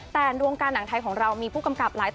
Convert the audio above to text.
แต่รวงการหนังไทยของเรามีผู้กำกับ